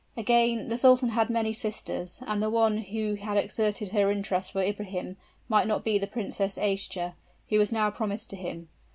Again, the sultan had many sisters; and the one who had exerted her interest for Ibrahim, might not be the Princess Aischa, who was now promised to him!